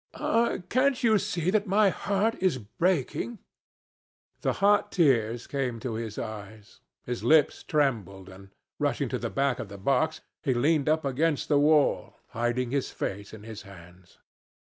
Ah! can't you see that my heart is breaking?" The hot tears came to his eyes. His lips trembled, and rushing to the back of the box, he leaned up against the wall, hiding his face in his hands.